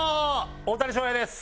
大谷翔平です！